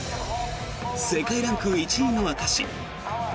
世界ランク１位の証し